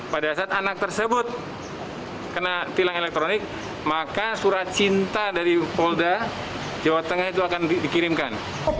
pada saat anak tersebut kena tilang elektronik maka surat cinta dari polda jawa tengah itu akan dikirimkan